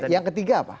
nah yang ketiga apa